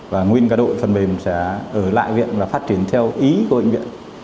và nguyên cả đội phần mềm sẽ ở lại bệnh viện và phát triển theo ý của bệnh viện